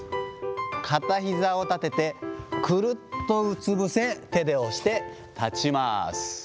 片ひざを立てて、くるっとうつ伏せ、手で押して立ちます。